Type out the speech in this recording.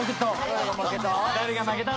誰が負けた？